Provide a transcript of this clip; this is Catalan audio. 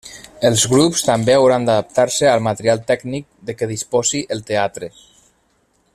Els grups també hauran d'adaptar-se al material tècnic de què disposi el teatre.